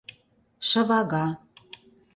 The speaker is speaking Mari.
ШЫВАГА